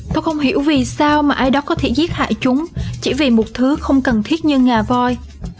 tôi không hiểu vì sao mà ai đó có thể giết hại chúng chỉ vì một thứ không cần thiết như ngà voi